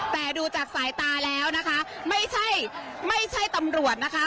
แต่ดูจากสายตาแล้วนะคะไม่ใช่ไม่ใช่ตำรวจนะคะ